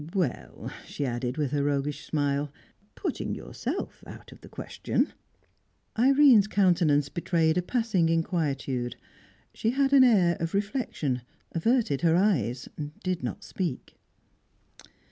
Well," she added, with her roguish smile, "putting yourself out of the question." Irene's countenance betrayed a passing inquietude. She had an air of reflection; averted her eyes; did not speak.